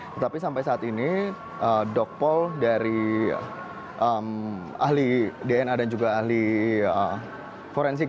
tetapi sampai saat ini dokpol dari ahli dna dan juga ahli forensik